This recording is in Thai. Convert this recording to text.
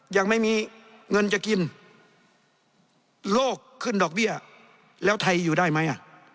ยังไม่มีเงินจะกินโลกขึ้นดอกเบี้ยแล้วไทยอยู่ได้ไหม